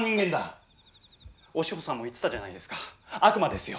和尚さんも言ってたじゃないですか悪魔ですよ。